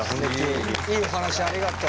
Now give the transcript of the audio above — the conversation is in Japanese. いいお話ありがとう。